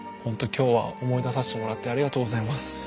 今日は思い出させてもらってありがとうございます。